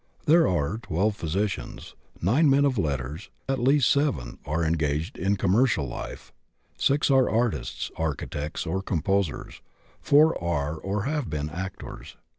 There are 12 physicians, 9 men of letters, at least 7 are engaged in commercial life, 6 are artists, architects, or composers, 4 are or have been actors.